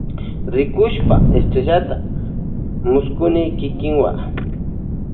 Rikushpa estrellata mullkuni kikiwa.